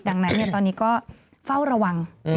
ดังนั้นตอนนี้ก็เฝ้าระวัง